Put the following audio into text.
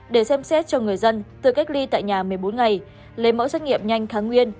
để xem xét cho người dân tự cách ly tại nhà một mươi bốn ngày lấy mẫu xét nghiệm nhanh kháng nguyên